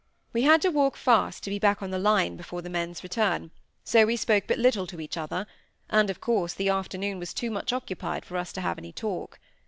We had to walk fast to be back on the line before the men's return, so we spoke but little to each other, and of course the afternoon was too much occupied for us to have any talk.